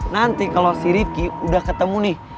nanti kalau si ricky udah ketemu nih